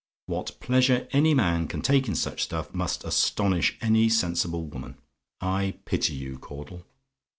What pleasure any man can take in such stuff must astonish any sensible woman. I pity you, Caudle!